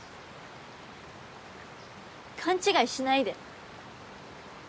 勘違いしないで。